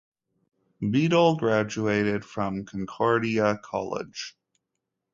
Beadle graduated from Concordia College.